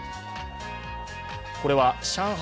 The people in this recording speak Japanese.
これは上海